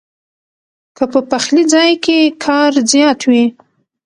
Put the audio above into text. کۀ پۀ پخلي ځائے کښې کار زيات وي